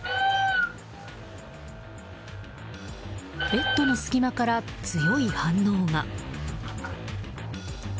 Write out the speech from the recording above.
ベッドの隙間から強い反応が。